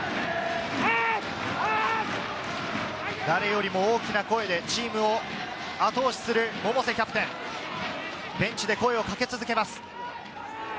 誰よりも大きな声でチームを後押しする百瀬キャプテン、ベンチで声をかけ続けます。